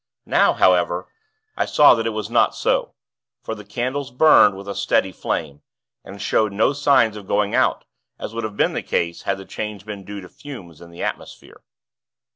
Now, however, I saw that it was not so; for the candles burned with a steady flame, and showed no signs of going out, as would have been the case had the change been due to fumes in the atmosphere.